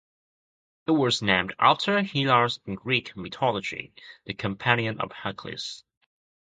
It was named after Hylas in Greek mythology, the companion of Hercules.